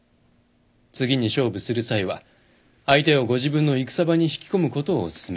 次に勝負する際は相手をご自分の戦場に引き込むことをお勧めします。